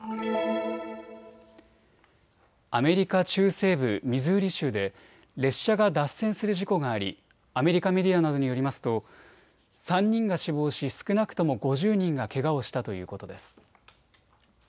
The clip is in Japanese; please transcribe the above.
アメリカ中西部ミズーリ州で列車が脱線する事故がありアメリカメディアなどによりますと３人が死亡し少なくとも５０人がけがをしたということです。